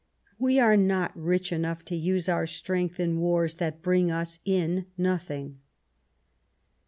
We are not rich enough to use our strength in wars that bring us in nothing."